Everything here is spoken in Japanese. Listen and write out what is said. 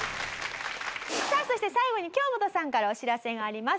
さあそして最後に京本さんからお知らせがあります。